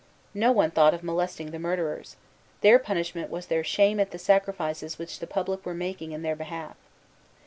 No one thought of molesting the murderers. Their punishment was their shame at the sacrifices which the public were making in their behalf.